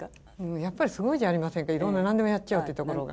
やっぱりすごいじゃありませんかいろんな何でもやっちゃうっていうところが。